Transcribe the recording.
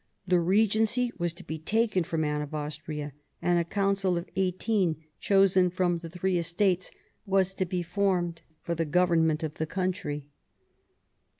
The regency was to be taken from Anne of Austria, and a council of eighteen, chosen from the Three Estates, was to be formed for the government of the country.